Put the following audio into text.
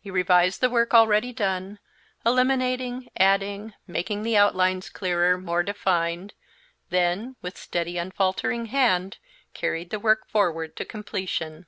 He revised the work already done, eliminating, adding, making the outlines clearer, more defined; then, with steady, unfaltering hand, carried the work forward to completion.